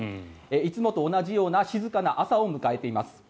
いつもと同じような静かな朝を迎えています。